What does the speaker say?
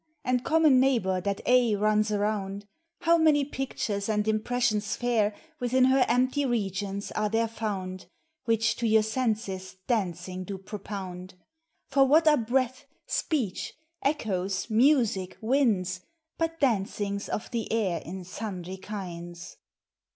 nd common neighbor thai aye i ins around, How many pictures arid impressions fan Within her empty regions arc there found, Wi,i, 1, to your senses dancing do propound. 126 POEMS OF NATURE. For what are breath, speech, echoes, music, winds, But dancings of the air in sundry kinds?